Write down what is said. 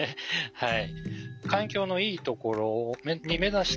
はい。